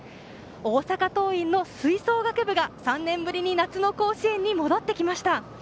大阪桐蔭の吹奏楽部が３年ぶりに夏の甲子園に戻ってきました。